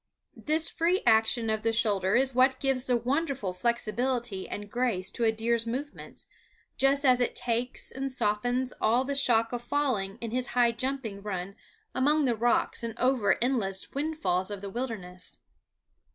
This free action of the shoulder is what gives the wonderful flexibility and grace to a deer's movements, just as it takes and softens all the shock of falling in his high jumping run among the rocks and over the endless windfalls of the wilderness.